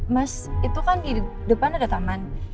mas itu kan di depan ada taman